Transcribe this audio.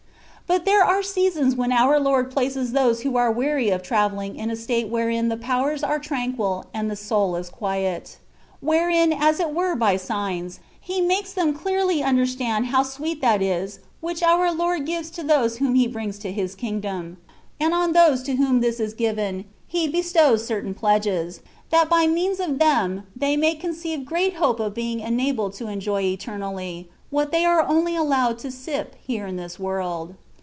But there are seasons when our Lord places those who are weary of travelling in a state wherein the powers are tranquil, and the soul is quiet ; wherein, as it were by signs. He makes them clearly understand how sweet that is which our Lord gives to those whom He brings to His Kingdom ; and on those to whom this is given He *" Aimque no en esta perfecion, ni en un ser,*' &o. L 2 148 THE WAY OF PERFECTION. bestows certain pledges, that by means of them they may conceive great hope of being enabled to enjoy eternally, what they aie only allowed to sip here in this world.